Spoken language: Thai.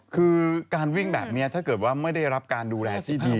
คือการวิ่งแบบนี้ถ้าเกิดว่าไม่ได้รับการดูแลที่ดี